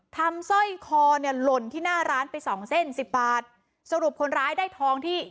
สร้อยคอเนี่ยหล่นที่หน้าร้านไปสองเส้นสิบบาทสรุปคนร้ายได้ทองที่